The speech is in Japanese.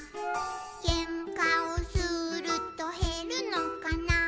「けんかをするとへるのかな」